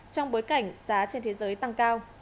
trong bối cảnh giá trên thế giới tăng cao